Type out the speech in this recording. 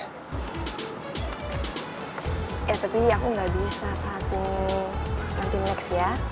ya tapi aku gak bisa saat ini latihan next ya